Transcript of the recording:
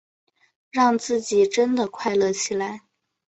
让自己真的快乐起来